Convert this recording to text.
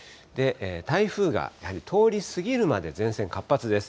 台風がやはり通り過ぎるまで前線活発です。